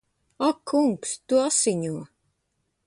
Ak kungs! Tu asiņo!